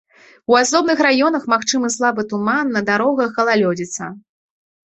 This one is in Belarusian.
У асобных раёнах магчымы слабы туман, на дарогах галалёдзіца.